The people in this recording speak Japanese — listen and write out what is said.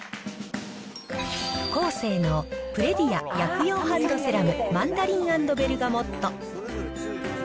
コーセーのプレディア薬用ハンドセラムマンダリン＆ベルガモット。